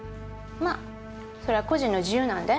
まあそれは個人の自由なんで。